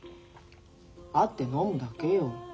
会って飲むだけよ。